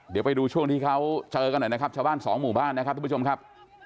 เดี๋ยวไปดูช่วงที่เขาเจอกันหน่อยนะครับชาวบ้านสองหมู่บ้านนะครับทุกผู้ชมครับ